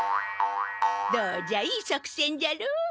どうじゃいいさくせんじゃろう？